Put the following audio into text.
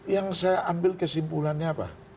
yang saya ambil kesimpulannya apa